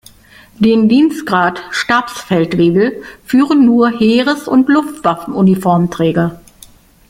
Den Dienstgrad Stabsfeldwebel führen nur Heeres- und Luftwaffenuniformträger.